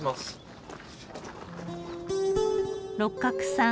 六角さん